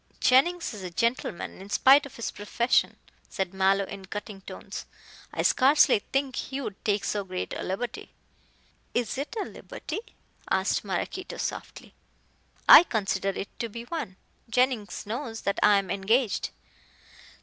"Jennings is a gentleman in spite of his profession," said Mallow in cutting tones. "I scarcely think he would take so great a liberty." "Is it a liberty?" asked Maraquito softly. "I consider it to be one. Jennings knows that I am engaged."